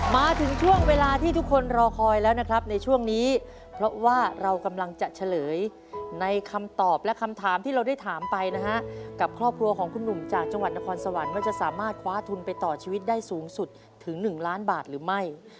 มาถึงช่วงเวลาที่ทุกคนรอคอยแล้วนะครับในช่วงนี้เพราะว่าเรากำลังจะเฉลยในคำตอบและคำถามที่เราได้ถามไปนะฮะกับครอบครัวของคุณหนุ่มจากจังหวัดนครสวรรค์ว่าจะสามารถคว้าทุนไปต่อชีวิตได้สูงสุดถึง๑ล้านบาทหรือไม่